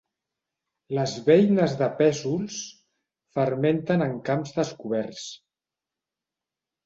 Les beines de pèsols fermenten en camps descoberts.